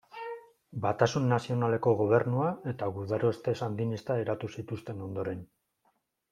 Batasun nazionaleko gobernua eta gudaroste sandinista eratu zituzten ondoren.